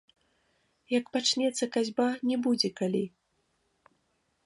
Як пачнецца касьба, не будзе калі.